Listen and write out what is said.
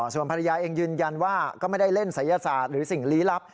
ส่วนภรรยาเองยืนยันว่าก็ไม่ได้เล่นศัยศาสตร์หรือสิ่งลี้ลับ